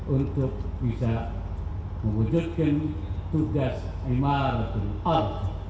untuk bisa mewujudkan tugas emas dan alam